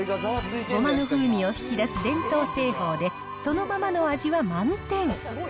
ごまの風味を引き出す伝統製法で、そのままの味は満点。